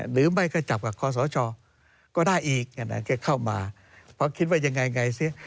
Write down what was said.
หรือไม่ก็จับกับคอสชก็ได้อีกแค่เข้ามาเพราะคิดว่ายังไงไงเสีย